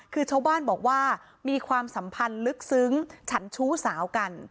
คือชาวบ้านบอกว่ามีความสัมพันธ์ลึกซึ้งฉันชู้สาวกัน